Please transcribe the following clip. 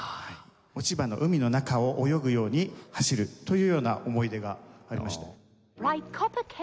落ち葉の海の中を泳ぐように走るというような思い出がありまして。